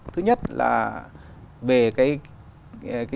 thứ nhất là về cái